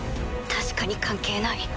確かに関係ない。